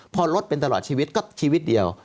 พอลดเป็นตลอดชีวิตก็ชีวิตเดียว